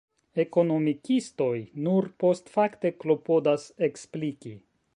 Ekonomikistoj nur postfakte klopodas ekspliki.